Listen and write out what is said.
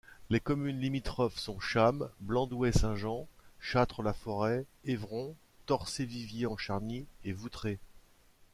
Les communes limitrophes sont Chammes, Blandouet-Saint-Jean, Châtres-la-Forêt, Évron, Torcé-Viviers-en-Charnie et Voutré.